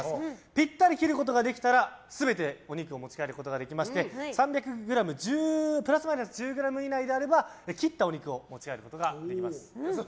ぴったり切ることができればそのまま持ち帰っていただけまして３００ｇプラスマイナス１０ｇ以内であれば切ったお肉を持ち帰ることができます。